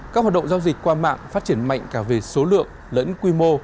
các hoạt động giao dịch qua mạng phát triển mạnh cả về số lượng lẫn quy mô